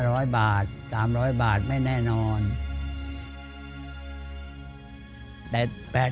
เมื่อขายทุ่มตำก็มีรายได้อยู่ประมาณวันละ๕๐๐บาท